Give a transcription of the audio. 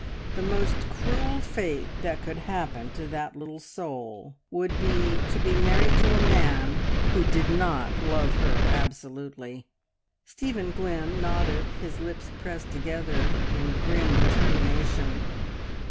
The most cruel fate that could happen to that little soul would be to be married to a man who did not love her absolutely!" Stephen Glynn nodded, his lips pressed together in grim determination.